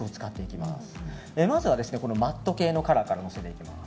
まずはマッド系のカラーからのせていきます。